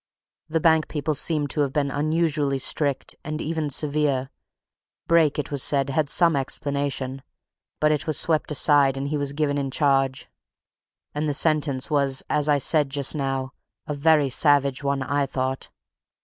The bank people seemed to have been unusually strict and even severe Brake, it was said, had some explanation, but it was swept aside and he was given in charge. And the sentence was as I said just now a very savage one, I thought.